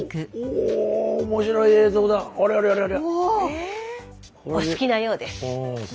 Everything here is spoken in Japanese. お好きなようです。